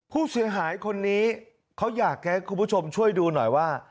ผู้เสียหายคนนี้เขาอยากจะให้คุณผู้ชมช่วยดูหน่อยว่า